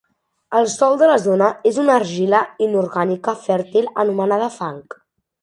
El sòl de la zona és una argila inorgànica fèrtil anomenada fang.